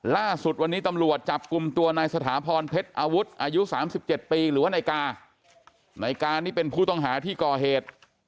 ล่าสุดวันนี้ตำรวจจับกลุ่มตัวนายสถาพรเพชรอาวุธอายุ๓๗ปีหรือว่านายกาในการนี่เป็นผู้ต้องหาที่ก่อเหตุ